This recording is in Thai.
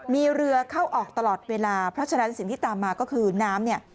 มีเรือเข้าออกตลอดเวลาเพราะฉะนั้นสิ่งที่ตามมาก็คือน้ำเนี่ย